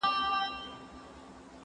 زه به سبا سړو ته خواړه ورکړم؟!